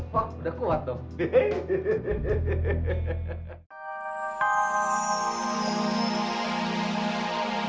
wah udah kuat dong